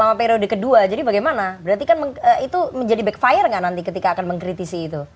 selama periode kedua jadi bagaimana berarti kan itu menjadi backfire nggak nanti ketika akan mengkritisi itu